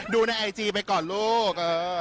ดูในไอจีไปก่อนลูก